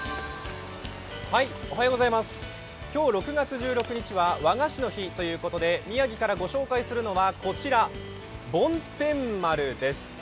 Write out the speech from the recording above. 今日６月１６日は和菓子の日ということで、宮城からご紹介するのはこちら梵天○です。